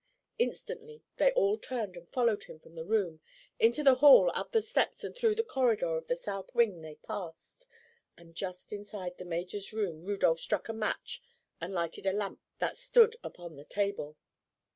Instantly they all turned and followed him from the room. Into the hall, up the steps and through the corridor of the South Wing they passed, and just inside the major's room Rudolph struck a match and lighted a lamp that stood upon the table.